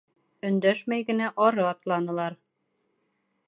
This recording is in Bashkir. Өндәшмәй генә ары атланылар.